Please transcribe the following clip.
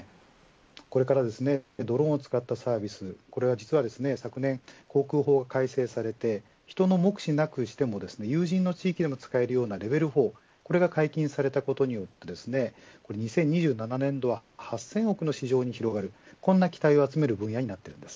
これからドローンを使ったサービスはこれが、昨年航空法が改正されて人の目視なくしても有人の地域でも使えるようなレベル４が解禁されたことによって２０２７年度は８０００億の市場に広がるこんな期待を集める分野になっています。